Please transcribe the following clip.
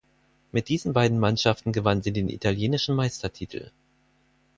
Mit diesen beiden Mannschaften gewann sie den italienischen Meistertitel.